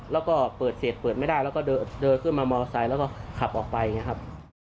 แล้วก็เปิดเสร็จเปิดไม่ได้แล้วก็เดินขึ้นมามอเตอร์ไซค์แล้วก็ขับออกไปอย่างนี้ครับ